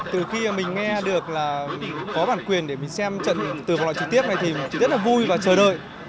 từ khi mình nghe được là có bản quyền để mình xem trận từ vòng loại trực tiếp này thì mình rất là vui và chờ đợi